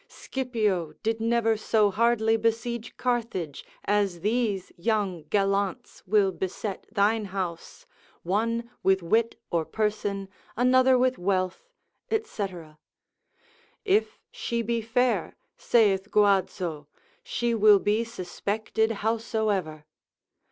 Scipio did never so hardly besiege Carthage, as these young gallants will beset thine house, one with wit or person, another with wealth, &c. If she he fair, saith Guazzo, she will be suspected howsoever.